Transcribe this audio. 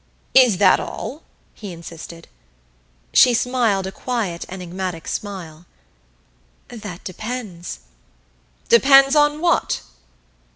"Is that all?" he insisted. She smiled a quiet enigmatic smile. "That depends." "Depends on what?"